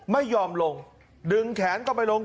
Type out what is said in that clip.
ไม่ยอมลงดึงแขนก็ไม่ลง